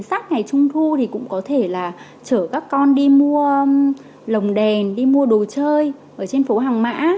sách ngày trung thu thì cũng có thể là chở các con đi mua lồng đèn đi mua đồ chơi ở trên phố hàng mã